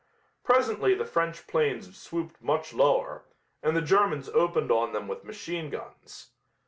Presently the French planes swooped much lower, and the Germans opened on them with machine guns.